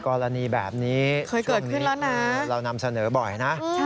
กรณีแบบนี้ช่วงนี้เรานำเสนอบ่อยนะ